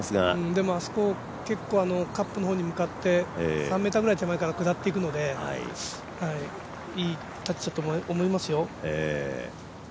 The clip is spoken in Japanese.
でも、結構カップの方に向かって３ｍくらい下っていきますのでいいタッチだったと思いますよ。